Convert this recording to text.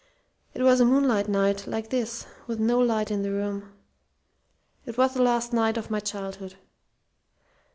It was a moonlight night, like this with no light in the room. It was the last night of my childhood."